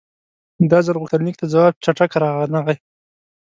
دا ځل غوښتنلیک ته ځواب چټک رانغی.